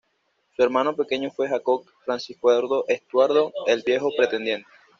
Su hermano pequeño fue Jacobo Francisco Eduardo Estuardo, el "Viejo Pretendiente".